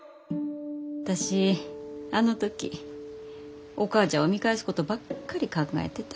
私あの時お母ちゃんを見返すことばっかり考えてた。